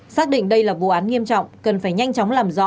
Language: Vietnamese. xác định đây là vụ án nghiêm trọng